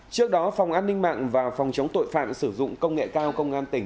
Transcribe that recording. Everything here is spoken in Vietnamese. trước đó phòng an ninh mạng và phòng chống tội phạm sử dụng công nghệ cao công an tỉnh